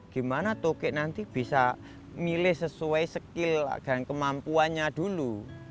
gimana toke nanti bisa milih sesuai skill dan kemampuannya dulu